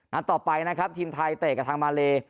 ต่อไปนะครับทีมไทยเตะกับทางมาเล